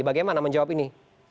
bagaimana menjawab ini